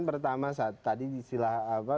pertama tadi silahkan apa